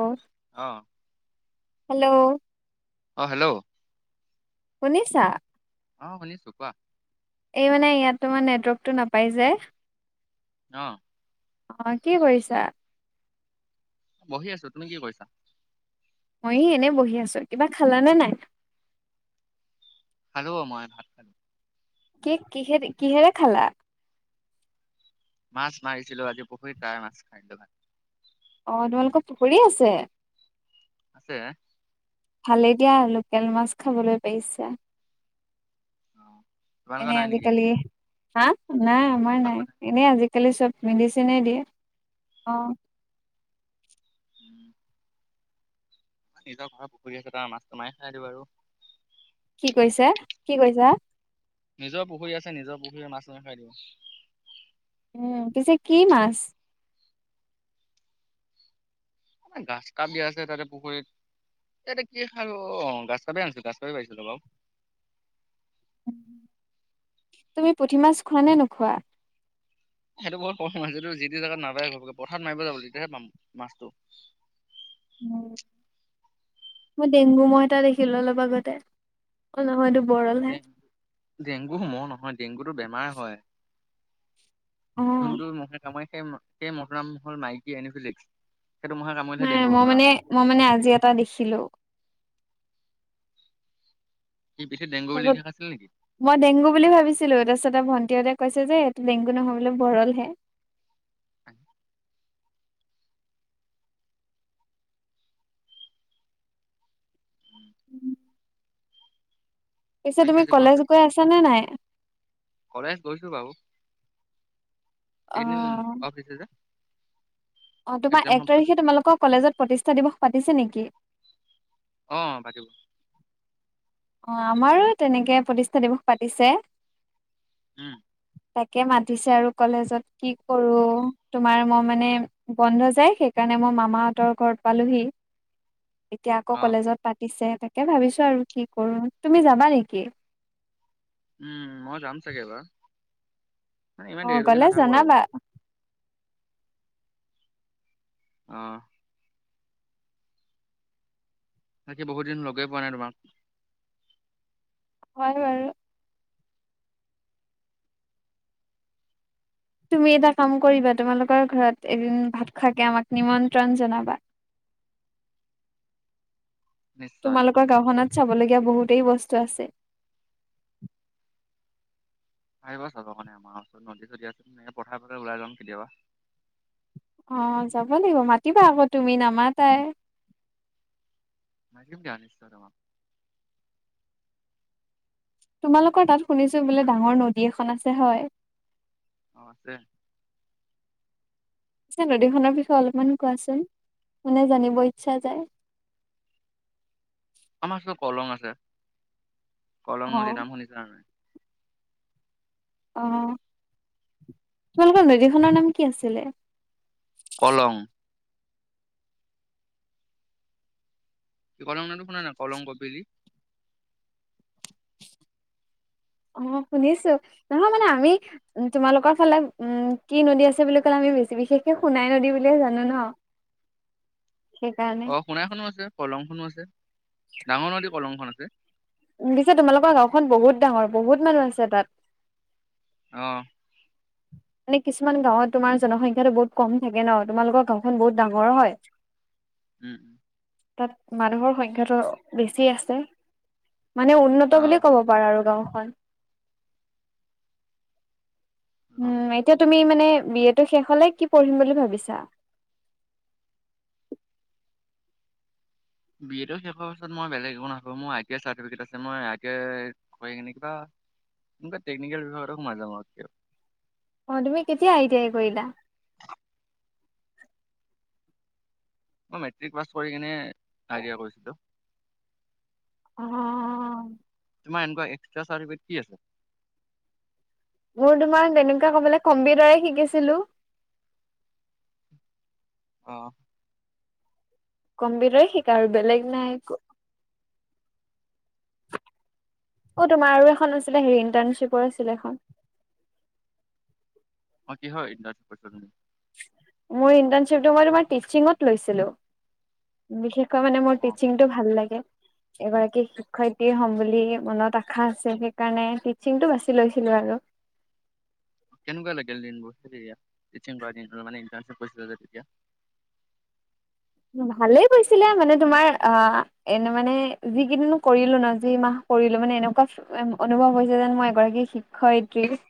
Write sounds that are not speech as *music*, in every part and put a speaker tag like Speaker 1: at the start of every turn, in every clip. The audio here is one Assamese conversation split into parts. Speaker 1: অ',
Speaker 2: অ
Speaker 1: হেল্ল'।
Speaker 2: অ', হেল্ল'।
Speaker 1: শুনিছা?
Speaker 2: অ', শুনিছো কোৱা?
Speaker 1: এই মানে ইয়াত তোমাৰ নেটৱৰ্কটো নাপাই যে।
Speaker 2: অ'।
Speaker 1: হয় কি কৰিছা?
Speaker 2: বহি আছো, তুমি কি কৰিছা?
Speaker 1: মই এই এনে বহি আছো কিবা খালা নে নাই?
Speaker 2: খালো মই ভাত পানী।
Speaker 1: কি কিহেদি, কিহেৰে খালা।
Speaker 2: মাছ মাৰিছিলোঁ আজি পুখুৰীত তাৰে মাছ খাই দিলো ভাত।
Speaker 1: অ', তোমালোকৰ পুখুৰী আছে।
Speaker 2: আছে।
Speaker 1: ভালে দিয়া লোকেল মাছ খাবলৈ পাইছা।
Speaker 2: অ তোমালোকৰ
Speaker 1: এনে
Speaker 2: নাই নেকি
Speaker 1: আজিকালি, হাঁ নাই আমাৰ নাই। এনে আজিকালি চব মেডিচিনে দিয়ে, অ'।
Speaker 2: উম। নিজৰ ঘৰৰ পুখুৰী আছে তাৰ মাছটো মাৰি খাই দিওঁ আৰু।
Speaker 1: কি কৈছে, কি কৈছা।
Speaker 2: নিজৰ পুখুৰী আছে, নিজৰ পুখুৰীৰে মাছ মাৰি খাই দিওঁ।
Speaker 1: উম পিছে কি মাছ।
Speaker 2: আমাৰ গ্ৰাছ কাপ দিয়া আছে তাতে পুখুৰীত। তাতে কি খাই অ', গ্ৰাছ কাপেই আনিছো, গ্ৰাছ কাপে পাইছিলো বাৰু।
Speaker 1: তুমি পুঠি মাছ খোৱা নে নোখোৱা।
Speaker 2: সেইটো ব'ৰ ক'ম মাছ, যিটো যি টি জেগাত নাপায় ঘপককে পথাৰত মাৰিব যাব লাগিব তেতিয়াহে পাম মাছটো।
Speaker 1: মই ডেংগু মহ এটা দেখিলো অলপ আগতে, অ', নহয় এইটো বৰল হে।
Speaker 2: ডেংগু ডেংগু মহ নহয় ডেংগুটো বেমাৰ হয়।
Speaker 1: অ'।
Speaker 2: জোনটো মহে কামোৰে সেই মহ সেই মহটোৰ নাম হ'ল মাইকী এনিফিলিক্স সেইটো মহে কামুৰিলেহে
Speaker 1: নাই
Speaker 2: ডেংগু
Speaker 1: মই
Speaker 2: বেমাৰ
Speaker 1: মানে,
Speaker 2: হয়।
Speaker 1: মই মানে আজি এটা দেখিলো।
Speaker 2: কি পিঠিত ডেংগু বুলি
Speaker 1: তাৰপিছত
Speaker 2: লিখি ৰখা আছিল নেকি।
Speaker 1: মই ডেংগু বুলি ভাবিছিলো তাৰপিছতে ভণ্টিহঁতে কৈছে যে এইটো ডেংগু নহয় বোলে বৰল হে।
Speaker 2: *inaudible* *inaudible*
Speaker 1: পিছে
Speaker 2: বাকী
Speaker 1: তুমি
Speaker 2: আজি গৰম
Speaker 1: কলেজ গৈ আছা নে নাই?
Speaker 2: কলেজ গৈছোঁ বাৰু।
Speaker 1: অ
Speaker 2: এইকেইদিন অফ দিছে যে।
Speaker 1: অ' তোমাৰ
Speaker 2: একজাম
Speaker 1: এক
Speaker 2: হোৱাৰ পিছত
Speaker 1: তাৰিখে তোমালোকৰ কলেজত প্ৰতিষ্ঠা দিৱস পাতিছে নেকি?
Speaker 2: অ', পাতিব
Speaker 1: অ, আমাৰো তেনেকে প্ৰতিষ্ঠা দিৱস পাতিছে।
Speaker 2: উম।
Speaker 1: তাকে মাতিছে আৰু কলেজত কি কৰোঁ, তোমাৰ মই মানে বন্ধ যে সেইকাৰণে মই মামাহঁতৰ ঘৰত পালোহি।
Speaker 2: *inaudible*
Speaker 1: এতিয়া আকৌ কলেজত পাতিছে, তাকে ভাবিছোঁ আৰু কি কৰোঁ, তুমি যাবা নেকি?
Speaker 2: উম, মই যাম চাগে এবাৰ। মানে
Speaker 1: অ
Speaker 2: ইমান দেৰিলৈকে
Speaker 1: গলে
Speaker 2: নাথাকো আৰু।
Speaker 1: জনাবা
Speaker 2: অ' তাকে বহুত দিন লগে পোৱা নাই তোমাক।
Speaker 1: হয় বাৰু তুমি এটা কাম কৰিবা, তোমালোকৰ ঘৰত এদিন ভাত খোৱাকে আমাক নিমন্ত্ৰণ জনাবা।
Speaker 2: *inaudible* নিশ্চয়
Speaker 1: তোমালোকৰ গাঁওখনত চাবলগীয়া বহুতেই বস্তু আছে।
Speaker 2: আহিবা চাব কাৰণে আমাৰ ওচৰত নদী-চদী আছে তেনেকে পথাৰ চথাৰ ওলাই যাম কেতিয়াবা।
Speaker 1: অ', যাব লাগিব। মাতিবা আকৌ তুমি নামাতাই।
Speaker 2: মাতিম দিয়া নিশ্চয় তোমাক।
Speaker 1: তোমালোকৰ তাত শুনিছোঁ বোলে ডাঙৰ নদী এখন আছে, হয়
Speaker 2: অ, আছে।
Speaker 1: পিছে নদীখনৰ বিষয়ে অলপমান কোৱাচোন মানে জানিব ইচ্ছা যায়।
Speaker 2: আমাৰ ওচৰত কলং আছে। কলং
Speaker 1: অ'।
Speaker 2: নদীৰ নাম শুনিছিলা নে নাই
Speaker 1: অ, তোমালোকৰ নদীখনৰ নাম কি আছিলে
Speaker 2: কলং। কি কলং নদী শুনা নাই কলং কপিলি।
Speaker 1: অ, শুনিছোঁ নহয় মানে আমি উম তোমালোকৰ ফালে উম কি নদী আছে বুলি ক'লা, আমি বেছি বিশেষকে সোণাই নদী বুলিয়ে জানো ন।
Speaker 2: *inaudible*
Speaker 1: সেইকাৰণে।
Speaker 2: অ সোণাইখনো আছে, কলংখনো আছে। ডাঙৰ নদী কলংখন আছে।
Speaker 1: পিছে তোমালোকৰ গাঁওখন বহুত ডাঙৰ, বহুত মানুহ আছে তাত।
Speaker 2: অ।
Speaker 1: মানে কিছুমান গাঁৱত তোমাৰ জনসংখ্যাটো বহুত কম থাকে ন! তোমালোকৰ গাঁওখন বহুত ডাঙৰ হয়।
Speaker 2: উম।
Speaker 1: তাত মানুহৰ সংখ্যাটো বেছি আছে মানে
Speaker 2: অ
Speaker 1: উন্নত বুলি ক'ব। কব পাৰা গাঁওখন
Speaker 2: অ
Speaker 1: উম, এতিয়া তুমি মানে বি এ টো শেষ হ'লে কি পঢ়িম বুলি ভাবিছা
Speaker 2: বি এ টো শেষ হোৱাৰ পিছত মই বেলেগ একো নাভাবো, মই আই টি আই চাৰ্টিফিকেট আছে, মই আই টি আই কৰি কিনে কিবা, কিবা টেকনিকেল বিভাগতে সোমাই যাম আও
Speaker 1: অ, তুমি কেতিয়া আই টি আই কৰিলা
Speaker 2: *inaudible* মই মেট্ৰিক পাছ কৰি কিনে আই টি আই কৰিছিলোঁ।
Speaker 1: অ অ
Speaker 2: তোমাৰ এনেকুৱা এক্সট্ৰা চাৰ্টিফিকেট কি আছে
Speaker 1: মোৰ তোমাৰ তেনেকুৱা কবলে কম্পিউটাৰে শিকিছিলো
Speaker 2: অ
Speaker 1: কম্পিউটাৰে শিকা আৰু বেলেগ নাই অ তোমাৰ আৰু এখন আছিলে হেৰি ইণ্টাৰ্ণশ্বিপৰ আছিলে এখন
Speaker 2: অ কিহৰ ইণৰ্টানচিপ
Speaker 1: মোৰ ইন্টাছিপটো মই তোমাৰ মই টিচিঙত লৈছিলো বিশেষকৈ মানে মোৰ
Speaker 2: অ
Speaker 1: টিচিং টো ভাল লাগে এগৰাকী শিক্ষয়িত্ৰীয়ে হ'ম বুলি মনত আশা আছে সেইকাৰণে টিচিংটো বাছি লৈছিলো আৰু
Speaker 2: কেনেকুৱা লাগিল দিনবোৰ হেৰি টিচিং কৰা দিনবোৰ মানে ইন্টাৰছিপ কৰিছিলা যে তেতিয়া
Speaker 1: ভালেই গৈছিলে মানে তোমাৰ আহ এনে মানে যিকেইদিন মই কৰিলো ন যি মাহ কৰিলো মানে এনেকুৱা অনুভৱ হৈছে যেন মই এগৰাকী শিক্ষয়িত্ৰী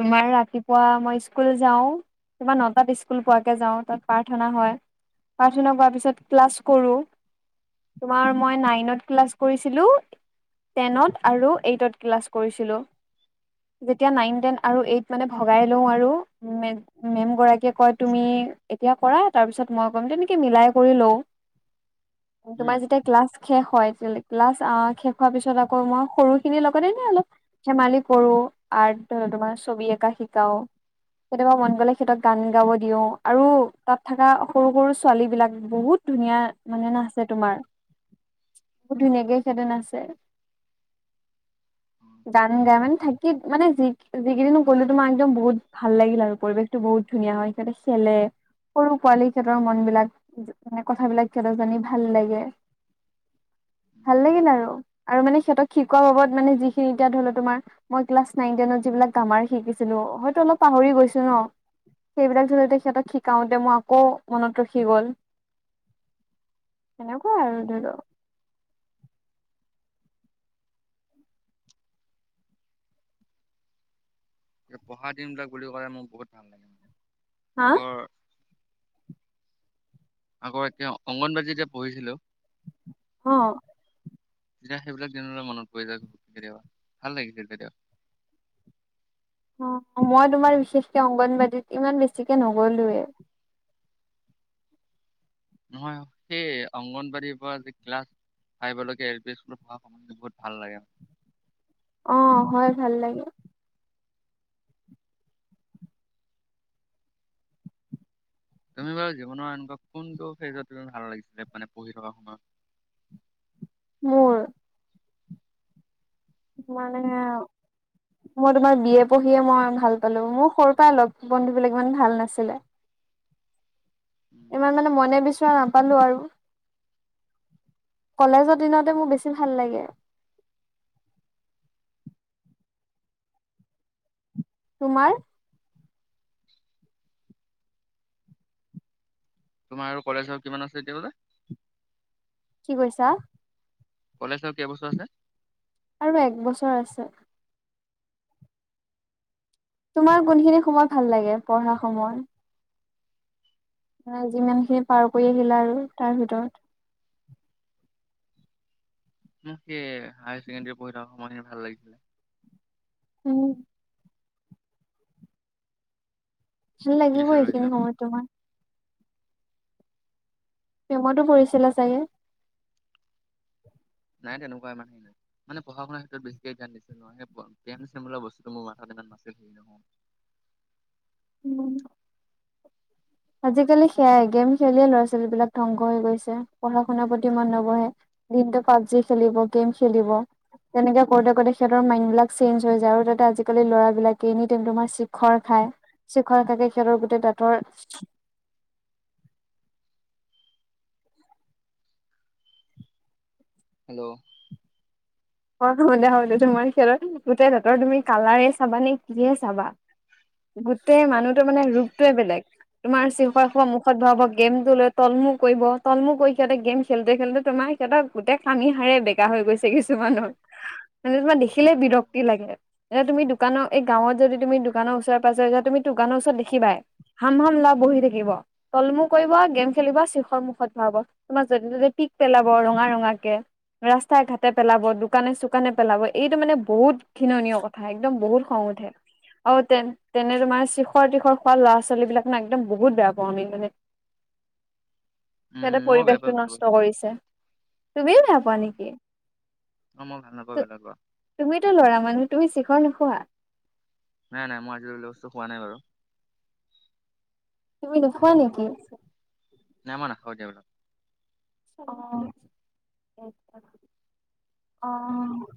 Speaker 1: তোমাৰ ৰাতিপুৱা মই স্কুল যাওঁ তোমাৰ নটাত স্কুল পোৱাকে যাওঁ তাত প্ৰাৰ্থনা হয় প্ৰাৰ্থনা কৰাৰ পিছত ক্লাছ কৰো তোমাৰ মই নাইনত ক্লাছ কৰিছিলো টেনত আৰু এইটত ক্লাছ কৰিছিলোঁ যেতিয়া নাইন টেন আৰু এইট মানে ভগাই লও আৰু মে মেম গৰাকীয়ে কয় তুমি এতিয়া কৰা তাৰ পিছত মই ক'ৰিম তেনেকে মিলাই কৰি লও তোমাৰ
Speaker 2: উম
Speaker 1: যেতিয়া ক্লাছ শেষ হয়। এতিয়া ক্লাছ শেষ হোৱাৰ পিছত আকৌ মই সৰু খিনিৰ লগতে দে অলপ- ধেমালি কৰোঁ, আৰ্ট তোমাৰ ছবি অঁকা শিকাও। কেতিয়াবা মন গ'লে- তেখেতক গান গাব দিওঁ, আৰু তা'ত থকা- সৰু-সৰু ছোৱালীবিলাক বহুত ধুনীয়া মানে নাচে তোমাৰ। বহুত ধুনীয়াকে সিহঁতে নাচে।
Speaker 2: উম
Speaker 1: গান গাই মানে থাক- কি মানে যি যিকেইদিনো গ'লো তোমাৰ একদম বহুত ভাল লাগিল আৰু পৰিৱেশটো বহুত ধুনীয়া হয় সিহঁতে খেলে। সৰু পোৱালি- সিহঁতৰ মনবিলাক মানে কথাবিলাক সিহঁতৰ জানি ভাল লাগে।
Speaker 2: উম
Speaker 1: ভাল
Speaker 2: উম
Speaker 1: লাগিল আৰু। আৰু মানে সিহঁতক শিকোৱাৰ বাবদ মানে যিখিনি এতিয়া ধৰি ল' তোমাৰ- মই ক্লাছ নাইন-টেনত যিবিলাক গ্ৰামাৰ শিকিছিলো হয়তো অলপ পাহৰি গৈছো ন। সেইবিলাক যিহেতু সিহঁতক শিকাওঁতে মই আকৌ- মনত ৰাখি গ'ল, সেনেকুৱাই আৰু
Speaker 2: উম।
Speaker 1: ধৰি ল'।
Speaker 2: এই পঢ়া দিনবিলাক বুলি ক'লে মোৰ বহুত ভাল লাগে মানে।
Speaker 1: হাঁ?
Speaker 2: আগৰ আকৌ এতিয়া অংগনবাদীত যেতিয়া পঢ়িছিলো-
Speaker 1: অঁ'।
Speaker 2: তেতিয়া সেইবিলাক দিনলে মনত পৰি যায় কেতিয়াবা ভাল লাগিছিল কেতিয়াবা।
Speaker 1: অঁ', মই তোমাৰ বিশেষকে অংগনবাদীত ইমান বেছিকে নগ'লোয়ে।
Speaker 2: নহয়, সেই অংগনবাদীৰ পৰা যি ক্লাছ- *unintelligible* এল পি স্কুলত পঢ়া সময় বহুত ভাল লাগে আৰু।
Speaker 1: অঁ', -হয় ভাল লাগে।
Speaker 2: তুমি বাৰু জীৱনৰ এনেকুৱা কোনটো ফেজত তুমি ভাল লাগিছিলে মানে পঢ়ি থকা সময়ত?
Speaker 1: মোৰ? মানে আৰু- মই তোমাৰ বি এ পঢ়িয়ে মই ভাল পালো মোৰ সৰুৰ পৰা অ' লগ বন্ধু বিলাক ইমান ভাল নাছিলে।
Speaker 2: উম,
Speaker 1: ইমান মানে মনে বিচৰা না- পালোঁ আৰু, কলেজৰ দিনতে মোৰ বেছি ভাল লাগে। তোমাৰ?
Speaker 2: *unintelligible* তোমাৰ আৰু কলেজৰ কিমান আছে এতিয়া লৈ?
Speaker 1: কি কৈছা?
Speaker 2: কলেজ আৰু কেই বছৰ আছে?
Speaker 1: আৰু এক বছৰ আছে। তোমাৰ কোনখিনি সময় ভাল লাগে পঢ়া সময়? নাই, যিমানখিনি পাৰ কৰি আহিলা আৰু তাৰ ভিতৰত।
Speaker 2: মোক সেই হায় ছেকেণ্ডাৰী পঢ়ি থকা সময়খিনি ভাল লাগিছিলে।
Speaker 1: উম। ভাল লাগিব
Speaker 2: শিকিছিলো
Speaker 1: এই খিনি
Speaker 2: সেইখিনি
Speaker 1: সময়ত তোমাৰ। প্ৰেমতো পৰিছিলা চাগে।
Speaker 2: নাই তেনেকুৱা আমাৰ। মানে পঢ়া-শুনাৰ ক্ষেত্ৰত বেছিকে ধ্যান দিছিলো। জ্ঞান-চিয়ান বোলা বস্তু মোৰ মাথাত ইমান নাছিল হেৰি নহয়।
Speaker 1: উম। আজিকালি সেয়াই, গেম খেলিয়ে ল'ৰা-ছোৱালীবিলাক ধ্বংস হৈ গৈছে পঢ়া-শুনাৰ প্ৰতি মন‌ ন'বহে। দিনটো পাবজি খেলিব গেম খেলিব। তেনেকে কৰোঁতে-কৰোঁতে সিহঁতৰ মাইণ্ড বিলাক চেঞ্জ হৈ যায়, আৰু তা'তে আজিকালি ল'ৰাবিলাকে এনি টাইম তোমাৰ শিখৰ খায়। *unintelligible* সিহতৰ গোটেই *unintelligible*
Speaker 2: হেল্ল'।
Speaker 1: অ *unintelligible* *unintelligible* খেলত গোটেই তহঁতৰ তুমি কালাৰে চাবা নে কিহে চাবা। গোটেই মানুহটো মানে ৰোপটোৱে বেলেগ। তোমাৰ *unintelligible* এখোপা মুখত ভৰাব গেমটো লৈ তল মূৰ কৰিব। তলমু কৰি সিহঁতে গেম খেলতে খেলতে তোমাক সিহঁতক গোটেই কামিহাড় য়ে বেকা হৈ গৈছে কিছ কিছুমানৰ, মানে তোমাৰ দেখিলে বিৰক্তি লাগে। এই তুমি দোকানৰ এই গাঁৱত যদি তুমি দোকানৰ ওচৰে-পাজৰে যা তুমি দোকানৰ ওচৰত দেখিবাই। হাম হাম ল'ৰা বহি থাকিব। তলমু কৰিব, গেম খেলিব, শিখৰ মুখত ভৰাব। তোমাৰ য'তে-ত'তে‌ পিক পেলাব ৰঙা ৰঙা কে, ৰাস্তা-ঘাটে পেলাব, দোকানে-চুকানে পেলাব, এইটো মানে বহুত ঘিননীয় কথা একদম বহুত খং উঠে। অ তেন তেনে তোমাৰ শিখৰ-তীখৰ খোৱা ল'ৰা ছোৱালী বিলাক মে একদম বহুত বেয়া পাওঁ আমি মানে
Speaker 2: *inaudible* উম
Speaker 1: সিহঁতে
Speaker 2: মইও বেয়া পাই
Speaker 1: পৰিৱেশটো
Speaker 2: পেলাব
Speaker 1: নষ্ট কৰিছে। তুমি
Speaker 2: অ',
Speaker 1: সেনেকুৱা নেকি?
Speaker 2: অ মই ভাল নাপাওঁ *unintelligible*
Speaker 1: তুমিতো ল'ৰা মানুহ তুমি শিখৰ নোখোৱা।
Speaker 2: নাই নাই মই আজি লৈ সেইবিলাক বস্তু খোৱা নাই বাৰু।
Speaker 1: তুমি নোখোৱা নেকি।
Speaker 2: নাই মই নাখাওঁ এতিয়া বিলাক।
Speaker 1: অ অ।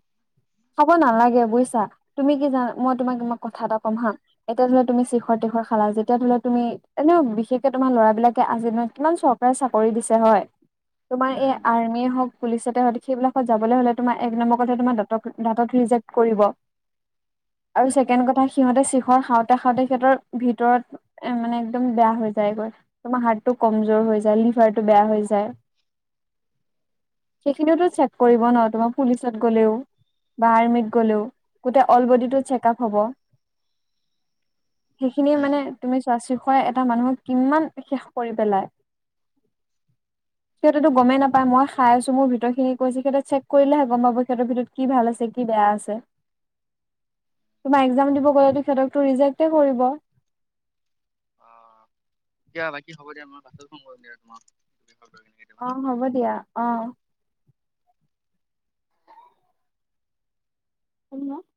Speaker 1: খাব নালাগে বুজিছা, তুমি কি জানা, মই তোমাক তোমাক কথা এটা কম হা। এতিয়া ধৰা তুমি শিখৰ-তীখৰ খালা, যেতিয়া ধৰিলে তুমি এনেও বিশেষকে তোমাৰ ল'ৰা বিলাকে আজি নহয় কিমান প্ৰায় চাকৰি দিছে হয়। তোমাৰ এই
Speaker 2: উম,
Speaker 1: আৰ্মিয়ে হওঁক, পুলিচতে হওঁক, সেইবিলাকত যাবলে হ'লে এক নম্বৰ কথা তোমাৰ দ দ দাতঁক ৰিজেণ্ট কৰিব। আৰু
Speaker 2: উম,
Speaker 1: চেকেণ্ড কথা সি সিহঁতে শিখৰ খাওঁতে খাওঁতে সিহঁতৰ ভিতৰত এ মানে একদম বেয়া হৈ যায়গৈ। তোমাৰ হাৰ্টটো কমজোৰ হৈ যায়, লিভাৰটো বেয়া হৈ যায়।
Speaker 2: *inaudible*
Speaker 1: সেইখিনিতো চেক কৰিব ন, তোমাৰ পুলিচত গ'লেও। বা আৰ্মিত গ'লেও, গোটেই অল বডিটো চেক আপ হ'ব। সেইখিনিয়ে
Speaker 2: উম, উম,
Speaker 1: মানে তুমি চোৱা শিখৰ এটা মানুহক কিমান শেষ কৰি পেলাই।
Speaker 2: *inaudible*
Speaker 1: সিহঁতেতো গমেই নাপায় মই খাই আছো মোৰ ভিতৰ খিনি কছে সিহঁতে চেক কৰিলেহে গম পাব সিহঁতৰ ভিতৰত কি ভাল আছে কি বেয়া আছে। তোমাৰ একজাম দিব গ'লেটো সিহঁতকতো ৰিজেক্টে কৰিব।
Speaker 2: অ দিয়া বাকী হ'ব দিয়া মই পাছত ফোন কৰিম তোমাক *unintelligible*
Speaker 1: অ হ'ব দিয়া অ। *inaudible*